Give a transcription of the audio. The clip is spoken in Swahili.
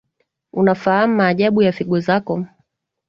unafahamu maajabu ya figo zako